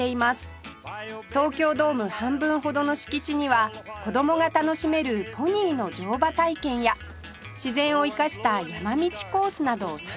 東京ドーム半分ほどの敷地には子供が楽しめるポニーの乗馬体験や自然を生かした山道コースなど様々